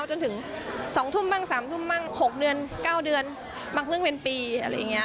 จนถึง๒ทุ่มบ้าง๓ทุ่มบ้าง๖เดือน๙เดือนบางเพิ่งเป็นปีอะไรอย่างนี้